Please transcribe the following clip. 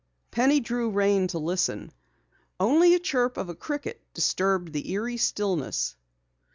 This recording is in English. Penny drew rein to listen. Only a chirp of a cricket disturbed the eerie stillness.